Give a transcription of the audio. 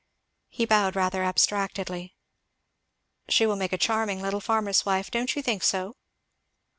He bowed rather abstractedly. "She will make a charming little farmer's wife, don't you think so?"